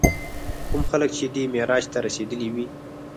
کوم خلک چې دې معراج ته رسېدلي وي.